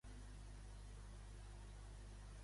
Qui és Nicolás Sarkozy?